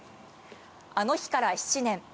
あの日から７年。